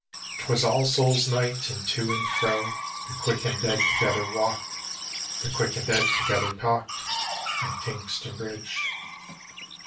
Twas All Souls' Night, and to and fro The quick and dead together walked, The quick and dead together talked, On Kingston Bridge.